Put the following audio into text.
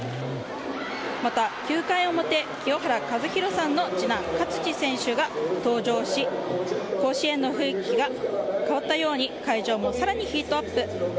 また、９回の表清原和博さんの次男勝児選手が登場し甲子園の雰囲気が変わったように会場も更にヒートアップ。